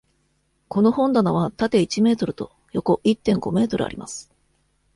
この本棚は縦一メートルと横一．五メートルあります。